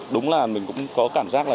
đúng là mình cũng có cảm giác là